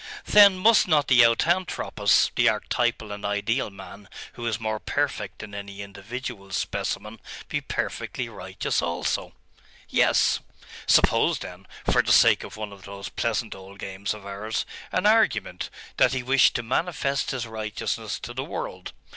'Then must not the Autanthropos, the archetypal and ideal man, who is more perfect than any individual specimen, be perfectly righteous also?' 'Yes.' 'Suppose, then, for the sake of one of those pleasant old games of ours, an argument, that he wished to manifest his righteousness to the world....